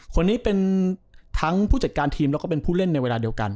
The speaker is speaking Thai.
คนนี้เป็นทั้งผู้จัดการทีมแล้วก็เป็นผู้เล่นในเวลาเดียวกัน